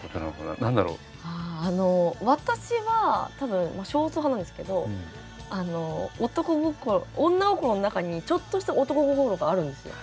私は多分少数派なんですけどあの女心の中にちょっとした男心があるんですよ。